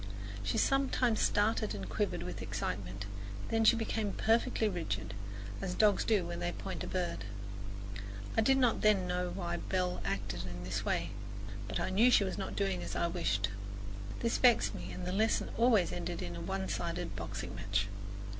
She sometimes started and quivered with excitement, then she became perfectly rigid, as dogs do when they point a bird. I did not then know why Belle acted in this way; but I knew she was not doing as I wished. This vexed me and the lesson always ended in a one sided boxing match.